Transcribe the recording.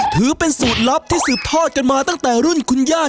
ถือเป็นสูตรลับที่สืบทอดกันมาตั้งแต่รุ่นคุณย่า